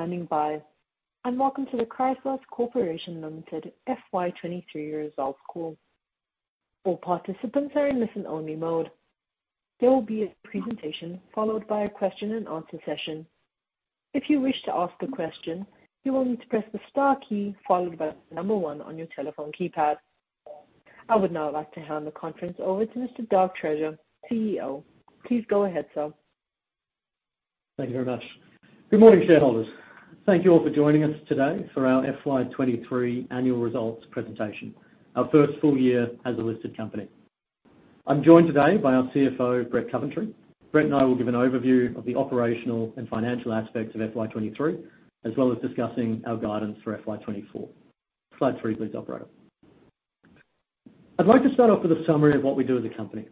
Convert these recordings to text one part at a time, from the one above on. Thank you for standing by, and welcome to the Chrysos Corporation Limited FY 2023 Results Call. All participants are in listen-only mode. There will be a presentation followed by a question-and-answer session. If you wish to ask a question, you will need to press the star key followed by the number 1 on your telephone keypad. I would now like to hand the conference over to Mr. Dirk Treasure, CEO. Please go ahead, sir. Thank you very much. Good morning, shareholders. Thank you all for joining us today for our FY 2023 annual results presentation, our first full year as a listed company. I'm joined today by our CFO, Brett Coventry. Brett and I will give an overview of the operational and financial aspects of FY 2023, as well as discussing our guidance for FY 2024. Slide 3, please, operator. I'd like to start off with a summary of what we do as a company.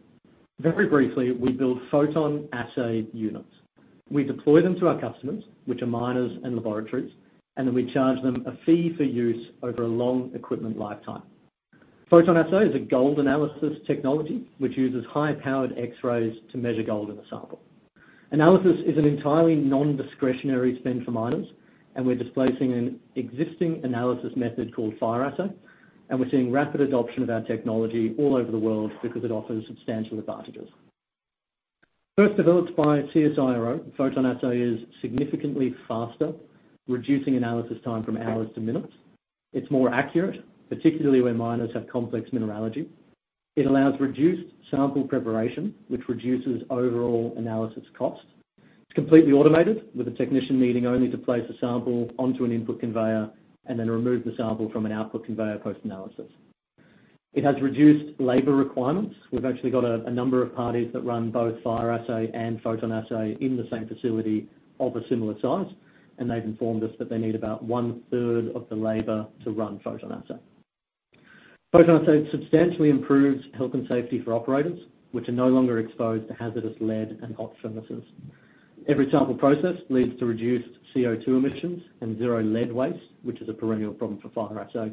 Very briefly, we build PhotonAssay units. We deploy them to our customers, which are miners and laboratories, and then we charge them a fee for use over a long equipment lifetime. PhotonAssay is a gold analysis technology which uses high-powered X-rays to measure gold in a sample. Analysis is an entirely non-discretionary spend for miners, and we're displacing an existing analysis method called fire assay, and we're seeing rapid adoption of our technology all over the world because it offers substantial advantages. First developed by CSIRO, PhotonAssay is significantly faster, reducing analysis time from hours to minutes. It's more accurate, particularly where miners have complex mineralogy. It allows reduced sample preparation, which reduces overall analysis cost. It's completely automated, with a technician needing only to place a sample onto an input conveyor and then remove the sample from an output conveyor post-analysis. It has reduced labor requirements. We've actually got a number of parties that run both fire assay and PhotonAssay in the same facility of a similar size, and they've informed us that they need about one-third of the labor to run PhotonAssay. PhotonAssay substantially improves health and safety for operators, which are no longer exposed to hazardous lead and hot furnaces. Every sample processed leads to reduced CO2 emissions and zero lead waste, which is a perennial problem for Fire Assay.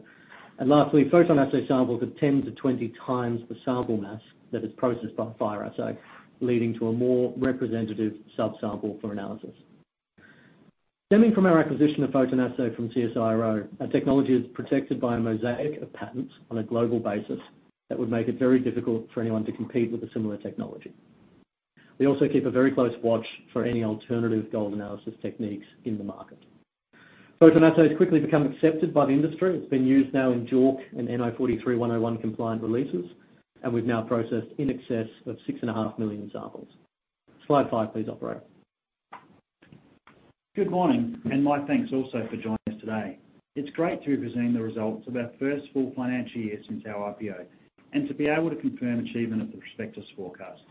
And lastly, PhotonAssay samples are 10-20 times the sample mass that is processed by Fire Assay, leading to a more representative sub-sample for analysis. Stemming from our acquisition of PhotonAssay from CSIRO, our technology is protected by a mosaic of patents on a global basis that would make it very difficult for anyone to compete with a similar technology. We also keep a very close watch for any alternative gold analysis techniques in the market. PhotonAssay has quickly become accepted by the industry. It's been used now in JORC and NI 43-101 compliant releases, and we've now processed in excess of 6.5 million samples. Slide 5, please, operator. Good morning, and my thanks also for joining us today. It's great to be presenting the results of our first full financial year since our IPO, and to be able to confirm achievement of the prospectus forecast.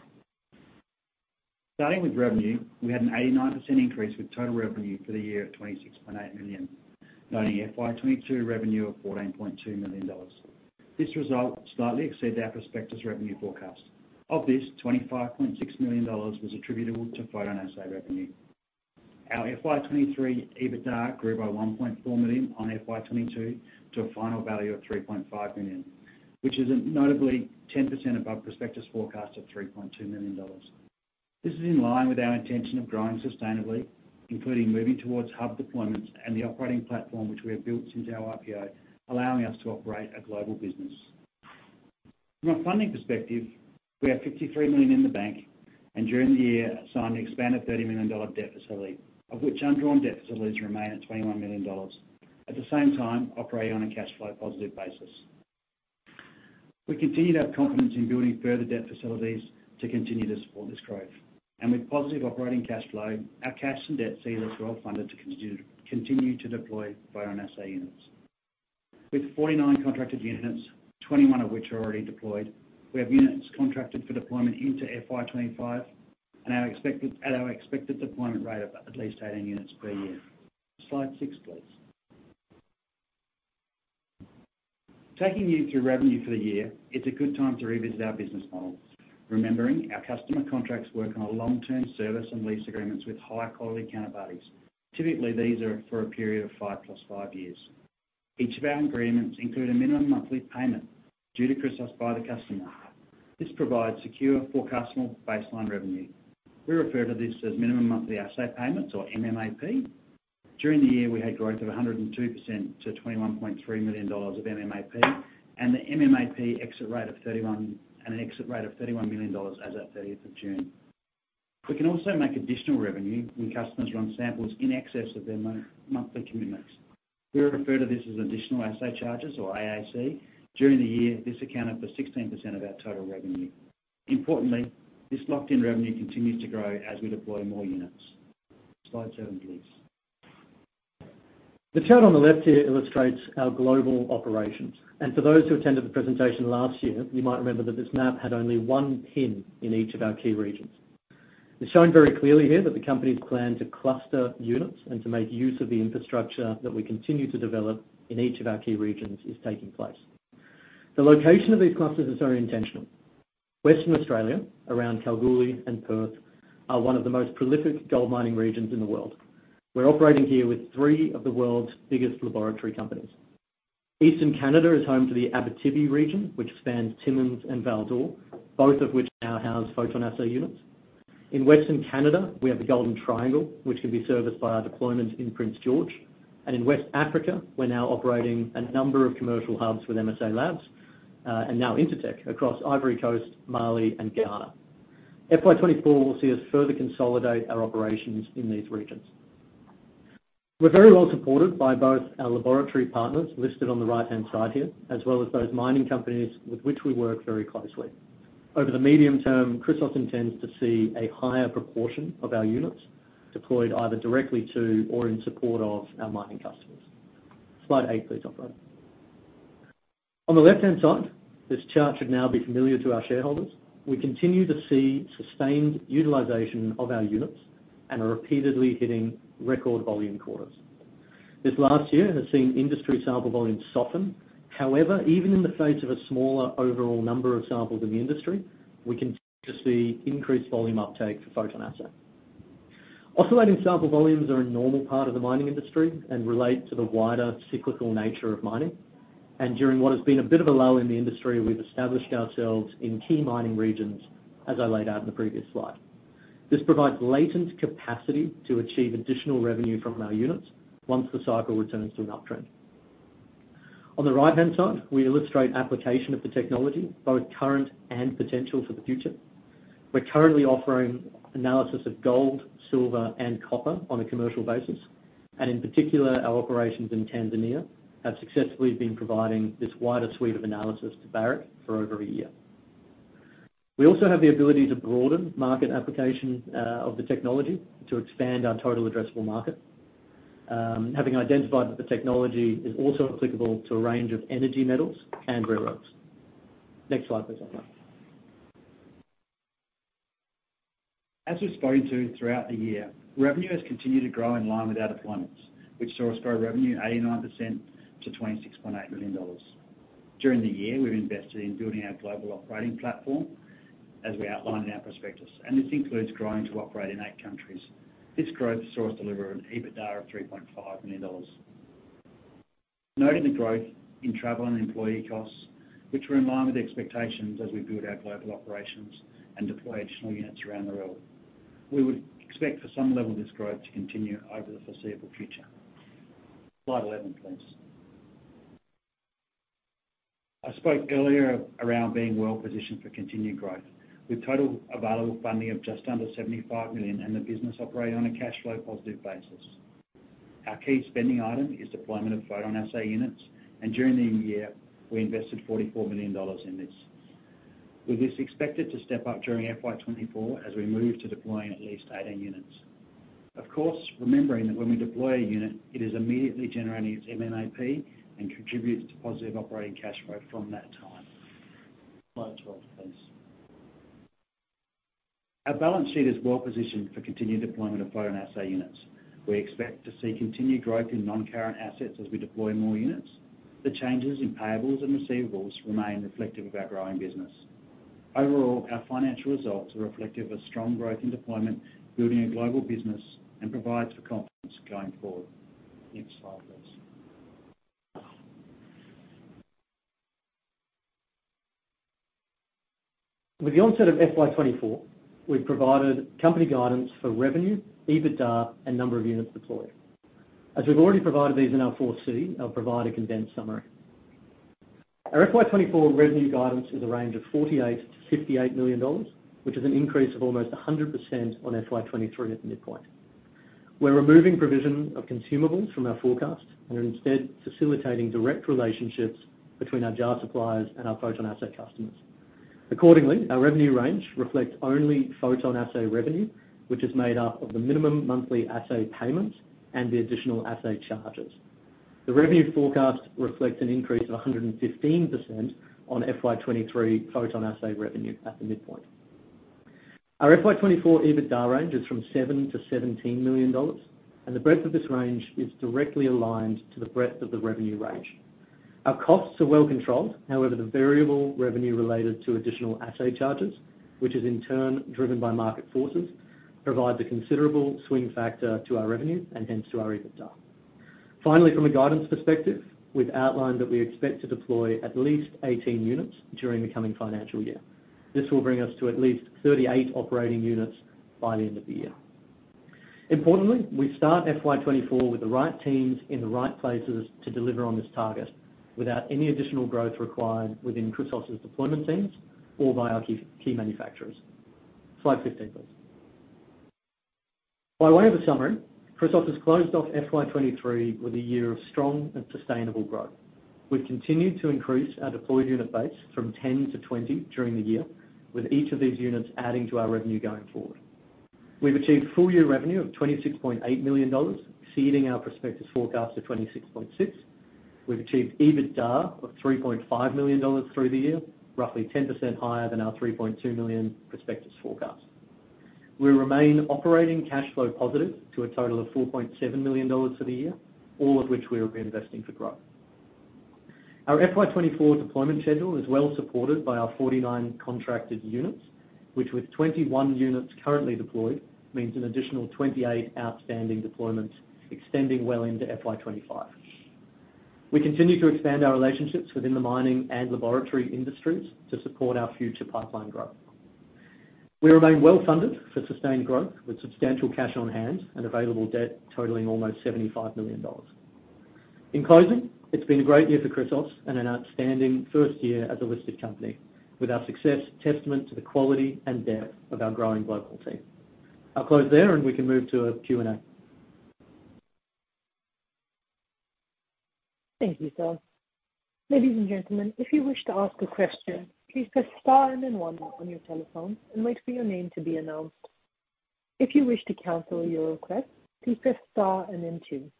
Starting with revenue, we had an 89% increase with total revenue for the year of 26.8 million, and only FY 2022 revenue of 14.2 million dollars. This result slightly exceeds our prospectus revenue forecast. Of this, 25.6 million dollars was attributable to PhotonAssay revenue. Our FY 2023 EBITDA grew by 1.4 million on FY 2022 to a final value of 3.5 million, which is notably 10% above prospectus forecast of 3.2 million dollars. This is in line with our intention of growing sustainably, including moving towards hub deployments and the operating platform which we have built since our IPO, allowing us to operate a global business. From a funding perspective, we have 53 million in the bank, and during the year, signed an expanded 30 million dollar debt facility, of which undrawn debt facilities remain at 21 million dollars. At the same time, operating on a cash flow positive basis. We continue to have confidence in building further debt facilities to continue to support this growth. And with positive operating cash flow, our cash and debt see us well-funded to continue, continue to deploy our assay units. With 49 contracted units, 21 of which are already deployed, we have units contracted for deployment into FY 2025, and our expected, at our expected deployment rate of at least 18 units per year. Slide six, please. Taking you through revenue for the year, it's a good time to revisit our business model. Remembering, our customer contracts work on a long-term service and lease agreements with high-quality counterparties. Typically, these are for a period of 5 + 5 years. Each of our agreements include a minimum monthly payment due to Chrysos by the customer. This provides secure, forecastable, baseline revenue. We refer to this as minimum monthly assay payments, or MMAP. During the year, we had growth of 102% to 21.3 million dollars of MMAP, and the MMAP exit rate of 31 million dollars as at 30th of June. We can also make additional revenue when customers run samples in excess of their monthly commitments. We refer to this as additional assay charges, or AAC. During the year, this accounted for 16% of our total revenue. Importantly, this locked-in revenue continues to grow as we deploy more units. Slide seven, please. The chart on the left here illustrates our global operations, and for those who attended the presentation last year, you might remember that this map had only one pin in each of our key regions. It's shown very clearly here that the company's plan to cluster units and to make use of the infrastructure that we continue to develop in each of our key regions is taking place. The location of these clusters is very intentional. Western Australia, around Kalgoorlie and Perth, are one of the most prolific gold mining regions in the world. We're operating here with three of the world's biggest laboratory companies. Eastern Canada is home to the Abitibi region, which spans Timmins and Val-d'Or, both of which now house PhotonAssay units. In Western Canada, we have the Golden Triangle, which can be serviced by our deployment in Prince George. And in West Africa, we're now operating a number of commercial hubs with MSALABS, and now Intertek, across Ivory Coast, Mali, and Ghana. FY 2024 will see us further consolidate our operations in these regions. We're very well supported by both our laboratory partners, listed on the right-hand side here, as well as those mining companies with which we work very closely. Over the medium term, Chrysos intends to see a higher proportion of our units deployed either directly to or in support of our mining customers. Slide 8, please, operator. On the left-hand side, this chart should now be familiar to our shareholders. We continue to see sustained utilization of our units and are repeatedly hitting record volume quarters. This last year has seen industry sample volumes soften. However, even in the face of a smaller overall number of samples in the industry, we continue to see increased volume uptake for PhotonAssay. Oscillating sample volumes are a normal part of the mining industry and relate to the wider cyclical nature of mining. And during what has been a bit of a lull in the industry, we've established ourselves in key mining regions, as I laid out in the previous slide. This provides latent capacity to achieve additional revenue from our units once the cycle returns to an uptrend. On the right-hand side, we illustrate application of the technology, both current and potential for the future. We're currently offering analysis of gold, silver, and copper on a commercial basis, and in particular, our operations in Tanzania have successfully been providing this wider suite of analysis to Barrick for over a year. We also have the ability to broaden market application of the technology to expand our total addressable market. Having identified that the technology is also applicable to a range of energy metals and rare earths. Next slide, please, operator. As we've spoken to throughout the year, revenue has continued to grow in line with our deployments, which saw us grow revenue 89% to 26.8 million dollars. During the year, we've invested in building our global operating platform, as we outlined in our prospectus, and this includes growing to operate in eight countries. This growth saw us deliver an EBITDA of 3.5 million dollars. Noting the growth in travel and employee costs, which were in line with expectations as we build our global operations and deploy additional units around the world. We would expect for some level of this growth to continue over the foreseeable future. Slide 11, please. I spoke earlier around being well positioned for continued growth, with total available funding of just under 75 million, and the business operating on a cash flow positive basis. Our key spending item is deployment of PhotonAssay units, and during the year, we invested 44 million dollars in this. With this expected to step up during FY 2024 as we move to deploying at least 18 units. Of course, remembering that when we deploy a unit, it is immediately generating its MMAP and contributes to positive operating cash flow from that time. Slide 12, please. Our balance sheet is well positioned for continued deployment of PhotonAssay units. We expect to see continued growth in non-current assets as we deploy more units. The changes in payables and receivables remain reflective of our growing business. Overall, our financial results are reflective of strong growth in deployment, building a global business, and provides for confidence going forward. Next slide, please. With the onset of FY 2024, we've provided company guidance for revenue, EBITDA, and number of units deployed. As we've already provided these in our 4C, I'll provide a condensed summary. Our FY 2024 revenue guidance is a range of 48 million-58 million dollars, which is an increase of almost 100% on FY 2023 at the midpoint. We're removing provision of consumables from our forecast and are instead facilitating direct relationships between our jar suppliers and our PhotonAssay customers. Accordingly, our revenue range reflects only PhotonAssay revenue, which is made up of the minimum monthly assay payments and the additional assay charges. The revenue forecast reflects an increase of 115% on FY 2023 PhotonAssay revenue at the midpoint. Our FY 2024 EBITDA range is from 7 million-17 million dollars, and the breadth of this range is directly aligned to the breadth of the revenue range. Our costs are well controlled. However, the variable revenue related to additional assay charges, which is in turn driven by market forces, provides a considerable swing factor to our revenue and hence to our EBITDA. Finally, from a guidance perspective, we've outlined that we expect to deploy at least 18 units during the coming financial year. This will bring us to at least 38 operating units by the end of the year. Importantly, we start FY 2024 with the right teams in the right places to deliver on this target, without any additional growth required within Chrysos' deployment teams or by our key, key manufacturers. Slide 15, please. By way of a summary, Chrysos has closed off FY 2023 with a year of strong and sustainable growth. We've continued to increase our deployed unit base from 10 to 20 during the year, with each of these units adding to our revenue going forward. We've achieved full year revenue of 26.8 million dollars, exceeding our prospectus forecast of 26.6 million. We've achieved EBITDA of 3.5 million dollars through the year, roughly 10% higher than our 3.2 million prospectus forecast. We remain operating cash flow positive to a total of 4.7 million dollars for the year, all of which we are reinvesting for growth. Our FY 2024 deployment schedule is well supported by our 49 contracted units, which, with 21 units currently deployed, means an additional 28 outstanding deployments extending well into FY 2025. We continue to expand our relationships within the mining and laboratory industries to support our future pipeline growth. We remain well-funded for sustained growth, with substantial cash on hand and available debt totaling almost 75 million dollars. In closing, it's been a great year for Chrysos and an outstanding first year as a listed company, with our success testament to the quality and depth of our growing global team. I'll close there, and we can move to a Q&A. Thank you, sir. Ladies and gentlemen, if you wish to ask a question, please press Star and then One on your telephone and wait for your name to be announced. If you wish to cancel your request, please press Star and then Two.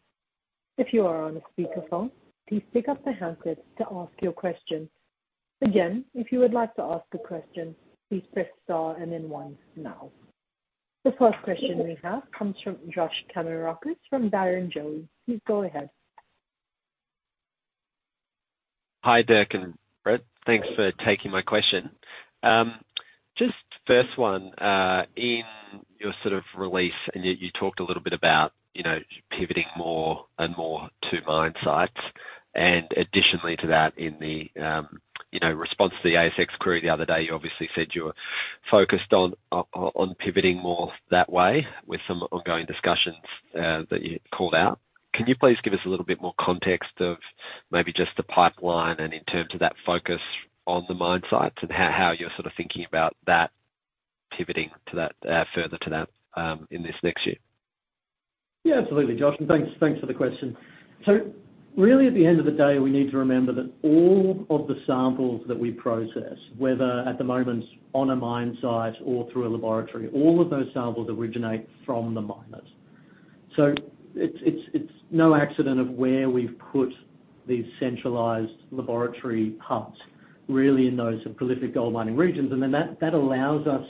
If you are on a speakerphone, please pick up the handset to ask your question. Again, if you would like to ask a question, please press Star and then One now. The first question we have comes from Josh Kannourakis from Jarden. Please go ahead. Hi, Dirk and Brett. Thanks for taking my question. Just first one, in your sort of release, and yet you talked a little bit about, you know, pivoting more and more to mine sites. And additionally to that, in the, you know, response to the ASX query the other day, you obviously said you were focused on pivoting more that way with some ongoing discussions that you called out. Can you please give us a little bit more context of maybe just the pipeline and in terms of that focus on the mine sites, and how you're sort of thinking about that pivoting to that, further to that, in this next year? Yeah, absolutely, Josh, and thanks, thanks for the question. So really, at the end of the day, we need to remember that all of the samples that we process, whether at the moment on a mine site or through a laboratory, all of those samples originate from the miners. So it's no accident of where we've put these centralized laboratory hubs, really in those prolific gold mining regions. And then that allows us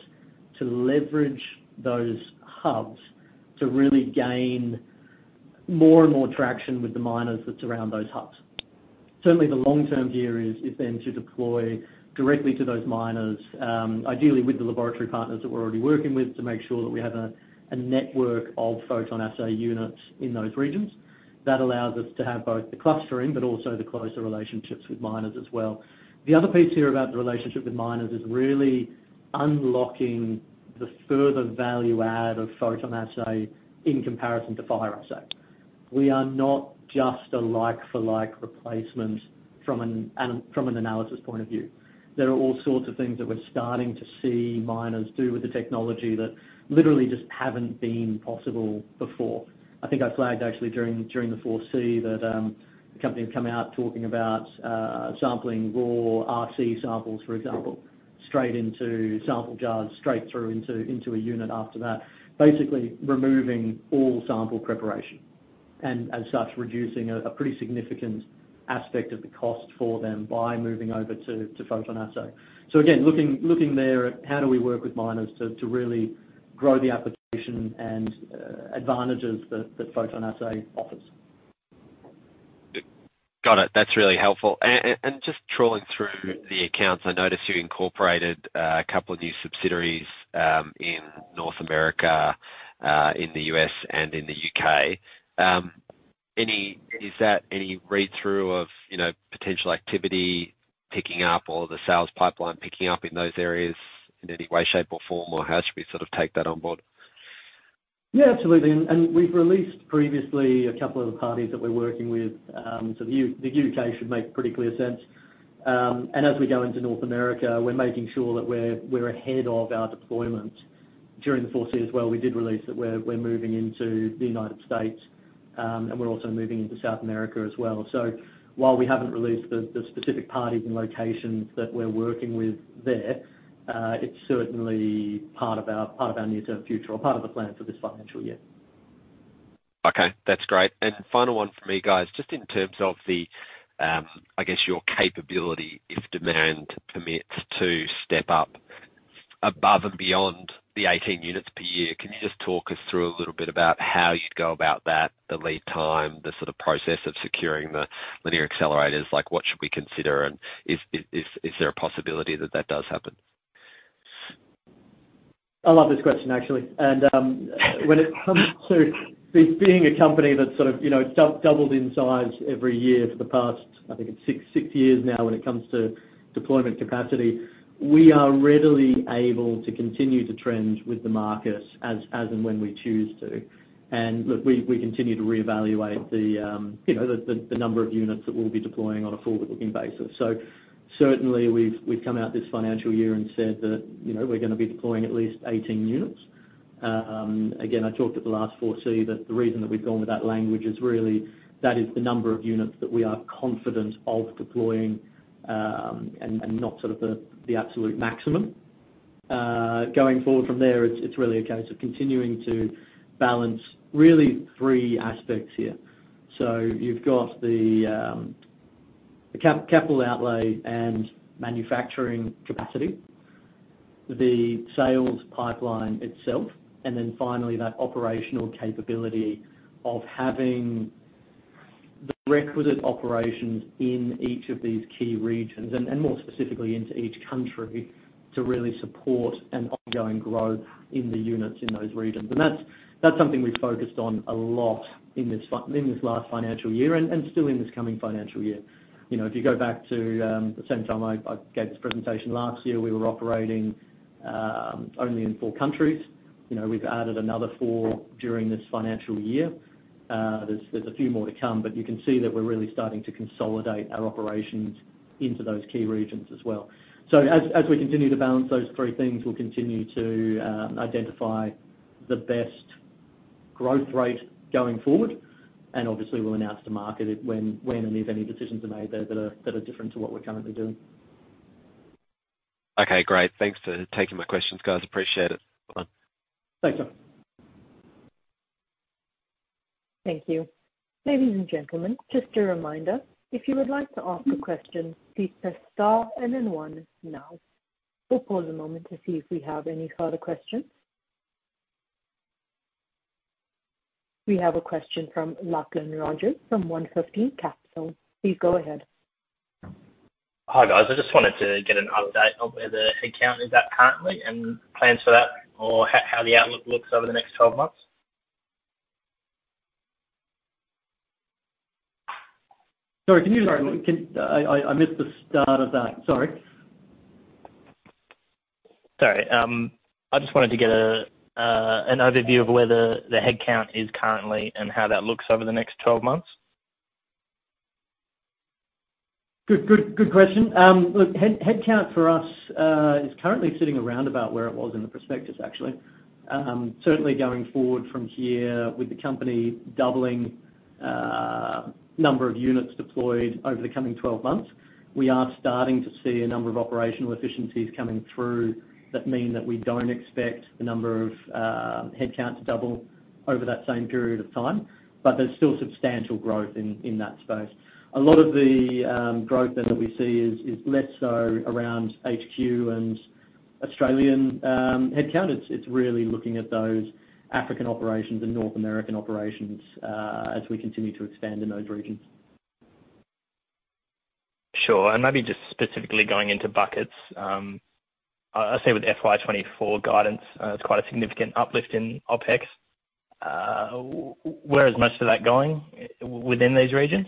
to leverage those hubs to really gain more and more traction with the miners that's around those hubs. Certainly, the long-term view is then to deploy directly to those miners, ideally with the laboratory partners that we're already working with, to make sure that we have a network of PhotonAssay units in those regions. That allows us to have both the clustering but also the closer relationships with miners as well. The other piece here about the relationship with miners is really unlocking the further value add of PhotonAssay in comparison to Fire Assay. We are not just a like-for-like replacement from an analysis point of view. There are all sorts of things that we're starting to see miners do with the technology that literally just haven't been possible before. I think I flagged actually during the 4C that companies come out talking about sampling raw RC samples, for example, straight into sample jars, straight through into a unit after that. Basically, removing all sample preparation, and as such, reducing a pretty significant aspect of the cost for them by moving over to PhotonAssay. So again, looking there at how do we work with miners to really grow the application and advantages that PhotonAssay offers. Got it. That's really helpful. And just trawling through the accounts, I noticed you incorporated a couple of new subsidiaries in North America in the U.S. and in the U.K. Is that any read-through of, you know, potential activity picking up or the sales pipeline picking up in those areas in any way, shape, or form? Or how should we sort of take that on board? Yeah, absolutely. We've released previously a couple of the parties that we're working with. So the U.K. should make pretty clear sense. And as we go into North America, we're making sure that we're ahead of our deployment. During the 4C as well, we did release that we're moving into the United States, and we're also moving into South America as well. So while we haven't released the specific parties and locations that we're working with there, it's certainly part of our near-term future or part of the plan for this financial year. Okay, that's great. And final one from me, guys. Just in terms of the, I guess, your capability, if demand permits, to step up above and beyond the 18 units per year, can you just talk us through a little bit about how you'd go about that, the lead time, the sort of process of securing the linear accelerators? Like, what should we consider, and is there a possibility that that does happen? I love this question, actually. When it comes to this being a company that sort of, you know, doubled in size every year for the past, I think it's six years now, when it comes to deployment capacity, we are readily able to continue to trend with the market as and when we choose to. Look, we continue to reevaluate the, you know, the number of units that we'll be deploying on a forward-looking basis. So certainly, we've come out this financial year and said that, you know, we're gonna be deploying at least 18 units. Again, I talked at the last 4C, that the reason that we've gone with that language is really that is the number of units that we are confident of deploying, and not sort of the absolute maximum. Going forward from there, it's really a case of continuing to balance really three aspects here. So you've got the capital outlay and manufacturing capacity, the sales pipeline itself, and then finally, that operational capability of having the requisite operations in each of these key regions, and more specifically into each country, to really support an ongoing growth in the units in those regions. And that's something we've focused on a lot in this last financial year and still in this coming financial year. You know, if you go back to the same time I gave this presentation last year, we were operating only in four countries. You know, we've added another four during this financial year. There's a few more to come, but you can see that we're really starting to consolidate our operations into those key regions as well. So as we continue to balance those three things, we'll continue to identify the best growth rate going forward, and obviously we'll announce to market it when and if any decisions are made there that are different to what we're currently doing. Okay, great. Thanks for taking my questions, guys. Appreciate it. Bye. Thanks, sir. Thank you. Ladies and gentlemen, just a reminder, if you would like to ask a question, please press star and then one now. We'll pause a moment to see if we have any further questions. We have a question from Lachlan Rogers from One Fifteen Capital. Please go ahead. Hi, guys. I just wanted to get an update on where the headcount is at currently and plans for that, or how the outlook looks over the next 12 months. Sorry, can you- Sorry. Can... I missed the start of that. Sorry. Sorry. I just wanted to get an overview of where the headcount is currently and how that looks over the next 12 months. Good, good, good question. Look, headcount for us is currently sitting around about where it was in the prospectus, actually. Certainly going forward from here, with the company doubling number of units deployed over the coming 12 months, we are starting to see a number of operational efficiencies coming through that mean that we don't expect the number of headcount to double over that same period of time, but there's still substantial growth in that space. A lot of the growth that we see is less so around HQ and Australian headcount. It's really looking at those African operations and North American operations as we continue to expand in those regions. Sure. Maybe just specifically going into buckets, I see with FY 2024 guidance, it's quite a significant uplift in OpEx. Where is much of that going within these regions?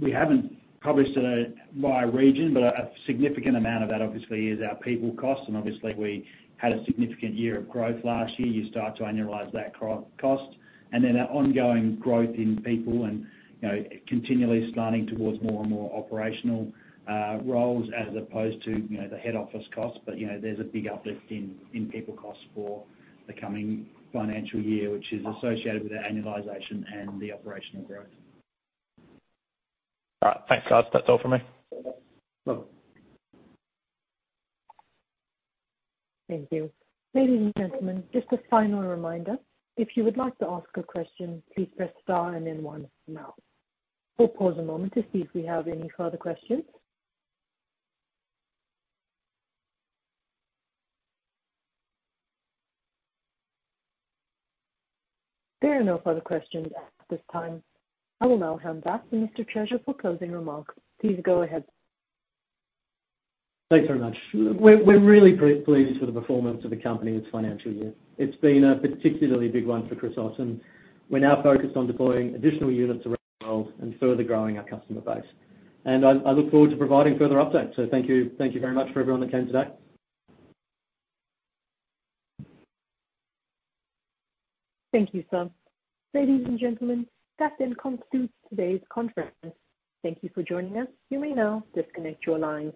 We haven't published it by region, but a significant amount of that obviously is our people cost, and obviously we had a significant year of growth last year. You start to annualize that cost, and then our ongoing growth in people and, you know, continually slanting towards more and more operational roles, as opposed to, you know, the head office costs. But, you know, there's a big uplift in people costs for the coming financial year, which is associated with the annualization and the operational growth. All right. Thanks, guys. That's all for me. Welcome. Thank you. Ladies and gentlemen, just a final reminder, if you would like to ask a question, please press star and then one now. We'll pause a moment to see if we have any further questions. There are no further questions at this time. I will now hand back to Mr. Treasure for closing remarks. Please go ahead. Thanks very much. We're really particularly pleased with the performance of the company this financial year. It's been a particularly big one for Chrysos, and we're now focused on deploying additional units around the world and further growing our customer base. And I look forward to providing further updates. So thank you, thank you very much for everyone that came today. Thank you, sir. Ladies and gentlemen, that then concludes today's conference. Thank you for joining us. You may now disconnect your lines.